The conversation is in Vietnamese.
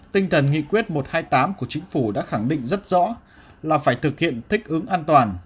tinh thần nghị quyết một trăm hai mươi tám của chính phủ đã khẳng định rất rõ là phải thực hiện thích ứng an toàn